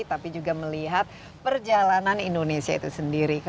tapi juga melihat perjalanan indonesia itu sendiri